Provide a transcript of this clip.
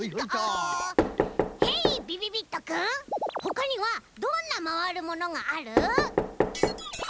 へいびびびっとくんほかにはどんなまわるものがある？